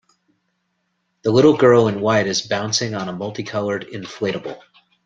The little girl in white is bouncing on a multicolored inflatable.